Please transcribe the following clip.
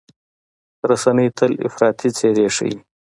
رسنۍ تل افراطي څېرې ښيي.